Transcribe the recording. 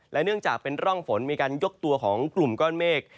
เนื่องจากเป็นร่องฝนมีการยกตัวของกลุ่มก้อนเมฆ